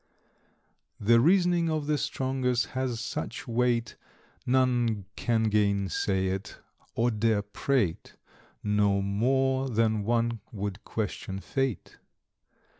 The reasoning of the strongest has such weight, None can gainsay it, or dare prate, No more than one would question Fate.